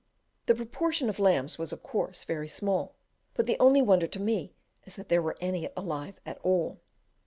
The proportion of lambs was, of course, very small, but the only wonder to me is that there were any alive at all.